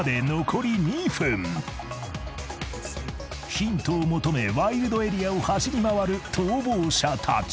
［ヒントを求めワイルドエリアを走り回る逃亡者たち］